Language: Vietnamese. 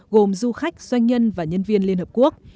gồm du khách doanh nhân và nhân viên liên hợp quốc